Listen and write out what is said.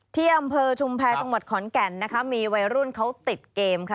ที่อำเภอชุมแพรจังหวัดขอนแก่นนะคะมีวัยรุ่นเขาติดเกมค่ะ